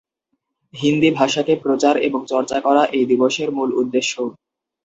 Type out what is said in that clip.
হিন্দি ভাষাকে প্রচার এবং চর্চা করা এই দিবসের মূল উদ্দেশ্য।